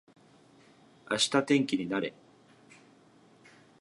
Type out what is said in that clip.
明日天気になれ